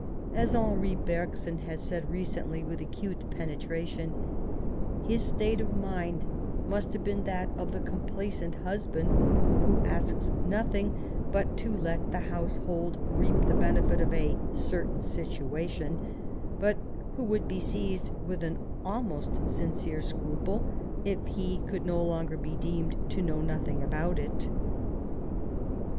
As Henri Bergson has said recently, with acute penetration :" His state of mind must have been that of the cornplaisant husband who asks nothing but to let the household reap the benefit of a certain situa tion, but who would be seized with an almost sincere scruple if he could no longer be deemed to know nothing about it."